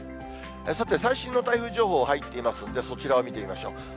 さて、最新の台風情報、入っていますんで、そちらを見てみましょう。